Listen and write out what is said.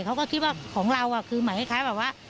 เขาก็คิดว่าของเราคือเหมือนคล้ายแบบว่า